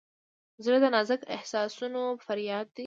زړه د نازک احساسونو فریاد دی.